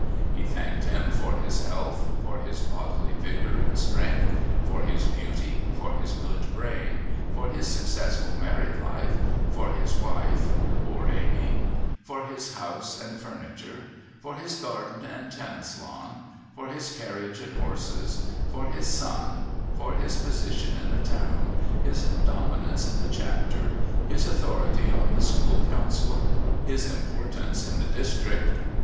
He thanked Him for his health, for his bodily vigour and strength, for his beauty, for his good brain, for his successful married life, for his wife (poor Amy), for his house and furniture, for his garden and tennis lawn, for his carriage and horses, for his son, for his position in the town, his dominance in the Chapter, his authority on the School Council, his importance in the district....